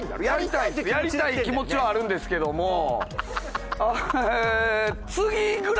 やりたい気持ちはあるんですけども。